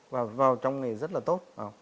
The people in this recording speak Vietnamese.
và vào trong ngày rất là tốt